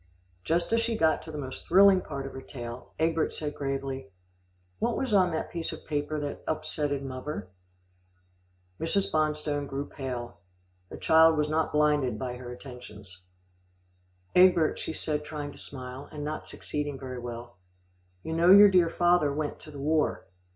Just as she got to the most thrilling part of her tale, Egbert said gravely, "What was on that piece of paper that upsetted muvver?" Mrs. Bonstone grew pale. The child was not blinded by her attentions. "Egbert," she said trying to smile, and not succeeding very well, "you know your dear father went to the war."